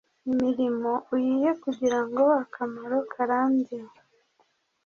imirimo uyihe kugira akamaro karambye